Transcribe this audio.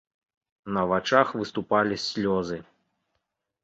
На вачах выступалі слёзы.